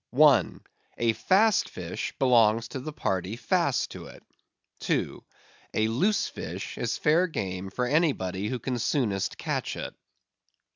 I. A Fast Fish belongs to the party fast to it. II. A Loose Fish is fair game for anybody who can soonest catch it.